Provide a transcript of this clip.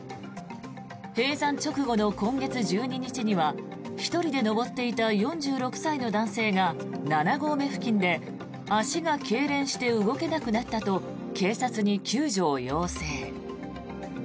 閉山直後の今月１２日には１人で登っていた４６歳の男性が七合目付近で足がけいれんして動けなくなったと警察に救助を要請。